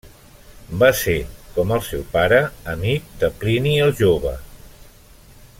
Va ser, com el seu pare, amic de Plini el jove.